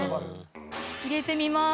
入れてみます。